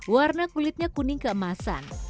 warna kulitnya kuning keemasan